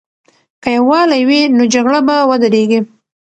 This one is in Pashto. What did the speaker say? که یووالی وي، نو جګړه به ودریږي.